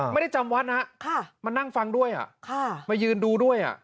จำวัดนะมานั่งฟังด้วยมายืนดูด้วย